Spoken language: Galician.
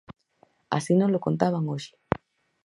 Así nolo contaban hoxe.